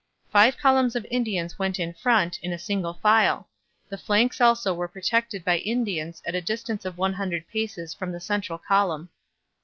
Five columns of Indians went in front, in single file; the flanks also were protected by Indians at a distance of one hundred paces from the central column.